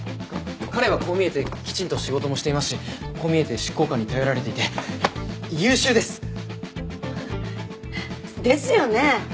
彼はこう見えてきちんと仕事もしていますしこう見えて執行官に頼られていて優秀です。ですよね？